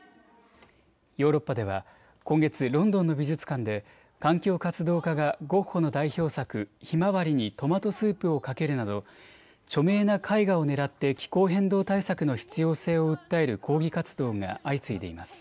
ヨーロッパでは今月、ロンドンの美術館で環境活動家がゴッホの代表作、ひまわりにトマトスープをかけるなど著名な絵画を狙って気候変動対策の必要性を訴える抗議活動が相次いでいます。